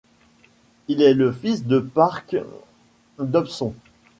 Il est le fils de Parke Dobson.